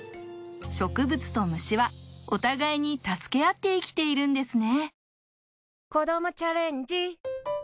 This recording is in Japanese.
植物とむしはお互いに助け合って生きているんですね